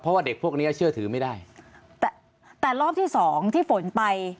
เพราะว่าเด็กพวกเนี้ยเชื่อถือไม่ได้แต่แต่รอบที่สองที่ฝนไป